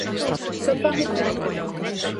Só pan e circo?